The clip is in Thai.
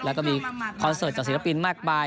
แล้วก็มีคอนเสิร์ตจากศิลปินมากมาย